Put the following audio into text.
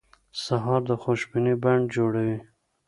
سهار د خوشبینۍ بڼ جوړوي.